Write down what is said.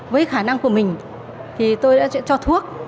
với khả năng của mình thì tôi đã cho thuốc